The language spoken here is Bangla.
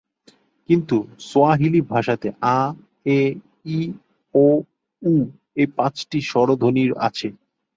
কিন্তু সোয়াহিলি ভাষাতে আ, এ, ই, ও, উ---এই পাঁচটি স্বরধ্বনি আছে।